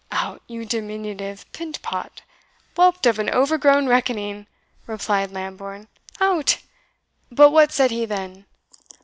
"Out, you diminutive pint pot, whelped of an overgrown reckoning!" replied Lambourne "out! But what said he then?"